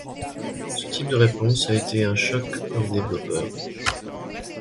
Ce type de réponse a été un choc pour les développeurs.